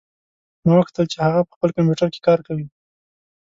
ما وکتل چې هغه په خپل کمپیوټر کې کار کوي